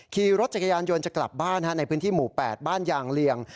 ขี่รถจักรยานยนต์จะกลับบ้านในพื้นที่หมู่๘บ้านยางเลียง